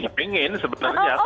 saya ingin sebenarnya